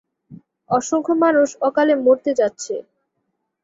অসংখ্য মানুষ অকালে মরতে যাচ্ছে!